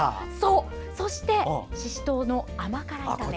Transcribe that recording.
そして、ししとうの甘辛炒め。